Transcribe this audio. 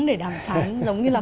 để đàm phán giống như là